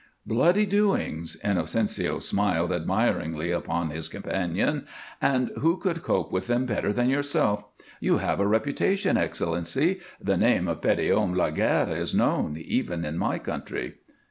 "Bloody doings!" Inocencio smiled admiringly upon his companion. "And who could cope with them better than yourself? You have a reputation, Excellency. The name of Petithomme Laguerre is known, even in my country."